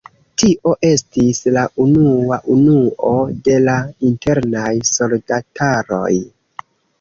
Tio estis la unua unuo de la Internaj Soldataroj.